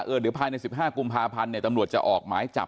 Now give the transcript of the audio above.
เดี๋ยวภายใน๑๕กุมภาพันธ์เนี่ยตำรวจจะออกหมายจับ